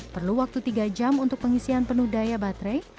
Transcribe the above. perlu waktu tiga jam untuk pengisian penuh daya baterai